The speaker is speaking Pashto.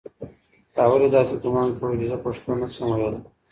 تا ولې داسې ګومان کاوه چې زه پښتو نه شم ویلی؟